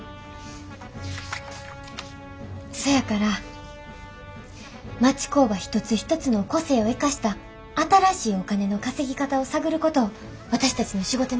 そやから町工場一つ一つの個性を生かした新しいお金の稼ぎ方を探ることを私たちの仕事にしたいんです。